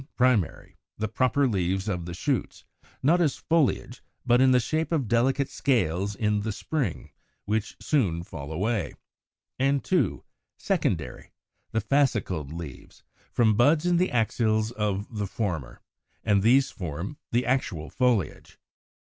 primary, the proper leaves of the shoots, not as foliage, but in the shape of delicate scales in spring, which soon fall away; and 2. secondary, the fascicled leaves, from buds in the axils of the former, and these form the actual foliage.